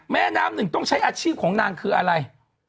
แม่น้ำหนึ่งต้องใช้อาชีพของนางคืออะไร